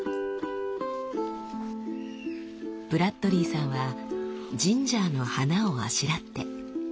ブラッドリーさんはジンジャーの花をあしらって。